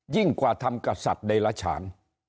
ยิ่งกว่าทำกับสัตว์เดยลาชาญ